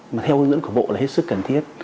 mà theo hướng dẫn của bộ là hết sức cần thiết